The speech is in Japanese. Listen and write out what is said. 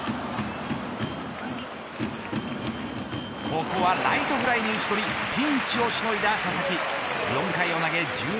ここはライトフライに打ち取りピンチをしのいだ佐々木。